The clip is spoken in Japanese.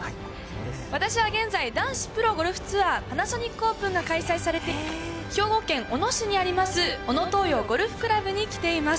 私は現在、男子プロゴルフツアー、パナソニックオープンの開催されている、兵庫県小野市にあります、小野東洋ゴルフ倶楽部に来ています。